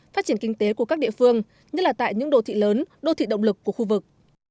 phát triển kinh tế của các địa phương nhất là tại những đô thị lớn đô thị động lực của khu vực